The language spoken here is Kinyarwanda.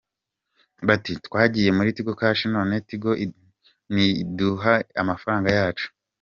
Bati “twagiye muri Tigo cash none Tigo niduhe amafaranga yacu”